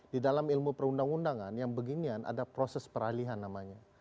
di dalam ilmu perundang undangan yang beginian ada proses peralihan namanya